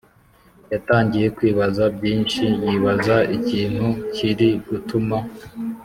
yatangiye kwibaza byinshi yibaza ikintu kiri gutuma